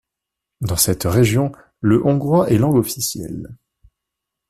Dans cette région, le hongrois est langue officielle.